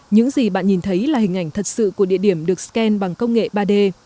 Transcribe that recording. những gì bạn nhìn thấy là hình ảnh thật sự của địa điểm được scan bằng công nghệ ba d